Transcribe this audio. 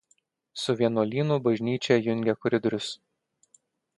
Su vienuolynu bažnyčią jungia koridorius.